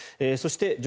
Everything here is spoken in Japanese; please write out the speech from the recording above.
そして、